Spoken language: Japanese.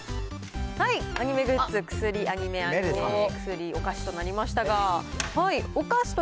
アニメグッズ、薬、アニメ、アニメ、薬、お菓子となりましたが。